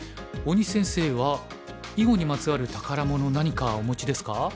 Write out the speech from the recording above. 大西先生は囲碁にまつわる宝物何かお持ちですか？